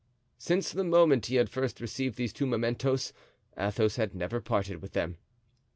Since the moment he had first received these two mementoes Athos had never parted with them.